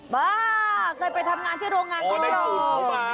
บ้าเคยไปทำงานที่โรงงานที่เคยทำ